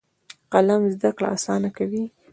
قلم زده کړه اسانه کوي.